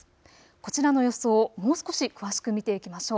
こちらの予想をもう少し詳しく見ていきましょう。